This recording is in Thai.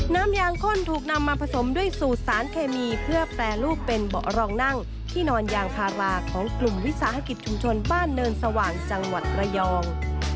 น้ำยางข้นถูกนำมาผสมด้วยสูตรสารเคมีเพื่อแปรรูปเป็นเบาะรองนั่งที่นอนยางพาราของกลุ่มวิสาหกิจชุมชนบ้านเนินสว่างจังหวัดระยอง